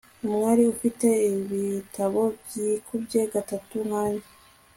umwarimu afite ibitabo byikubye gatatu nkanjye